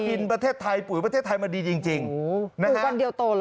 เป็นประเทศไทยปรุยประเทศไทยมาดีจริงจริงโห